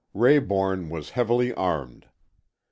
Rayborn was heavily armed.